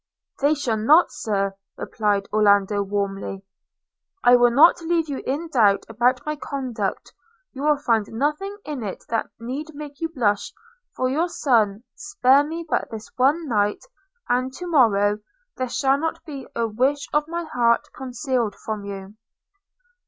'They shall not, Sir!' replied Orlando warmly – 'I will not leave you in doubt about my conduct; you will find nothing in it that need make you blush for your son: spare me but this one night, and to morrow there shall not be a wish of my heart concealed from you.'